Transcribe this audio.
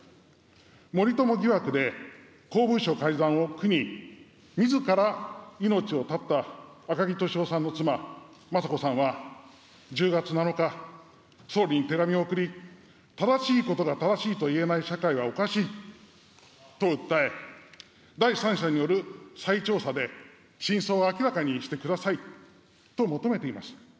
森友疑惑で公文書改ざんを苦にみずから命を絶った赤木俊夫さんの妻、雅子さんは１０月７日、総理に手紙を送り、正しいことが正しいと言えない社会はおかしいと訴え、第三者による再調査で真相を明らかにしてくださいと求めていました。